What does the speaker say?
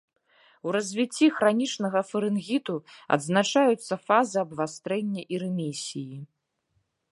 У развіцці хранічнага фарынгіту адзначаюцца фазы абвастрэння і рэмісіі.